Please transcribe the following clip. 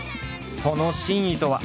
その真意とは？